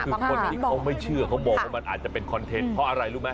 คือคนที่เขาไม่เชื่อเขามองว่ามันอาจจะเป็นคอนเทนต์เพราะอะไรรู้ไหม